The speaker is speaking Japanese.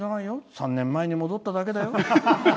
３年前に戻っただけだよ。